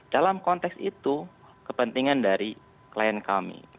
dalam konteks itu kepentingan dari klien kami